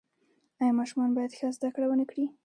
آیا ماشومان باید ښه زده کړه ونکړي؟